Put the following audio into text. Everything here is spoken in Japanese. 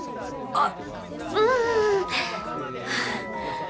あっううん。